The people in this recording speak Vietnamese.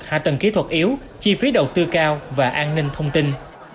hạ tầng kỹ thuật yếu chi phí đầu tư cao và an ninh thông tin